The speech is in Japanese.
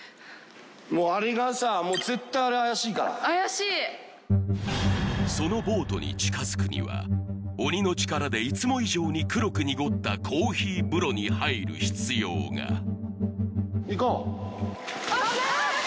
もうあれがさもう絶対あれ怪しいから怪しいそのボートに近づくには鬼の力でいつも以上に黒く濁ったコーヒー風呂に入る必要がいこう危ない！